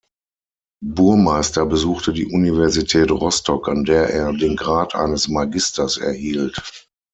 Burmeister besuchte die Universität Rostock, an der er den Grad eines Magisters erhielt.